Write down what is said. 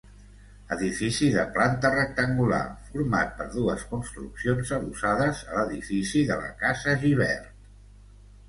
Edifici de planta rectangular, format per dues construccions adossades a l'edifici de la casa Gibert.